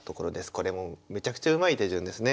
これもめちゃくちゃうまい手順ですね。